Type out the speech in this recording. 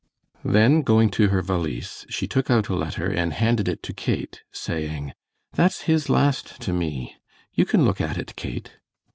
Then going to her valise, she took out a letter and handed it to Kate, saying: "That's his last to me. You can look at it, Kate."